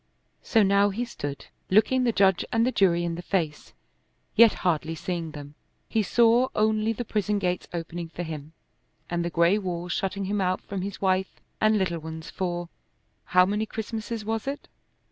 So now he stood looking the judge and the jury in the face, yet hardly seeing them. He saw only the prison gates opening for him, and the gray walls shutting him out from his wife and little ones for how many Christmases was it?